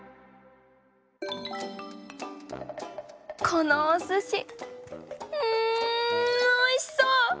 このおすしうんおいしそう！